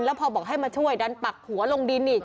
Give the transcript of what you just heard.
แล้วพอบอกให้มาช่วยดันปักหัวลงดินอีก